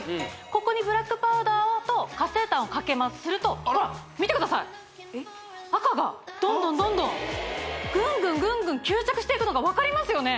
ここにブラックパウダーと活性炭をかけますすると見てください赤がどんどんどんどんぐんぐんぐんぐん吸着していくのが分かりますよね